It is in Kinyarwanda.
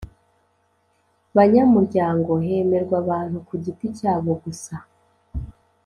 banyamuryango Hemerwa abantu ku giti cyabo gusa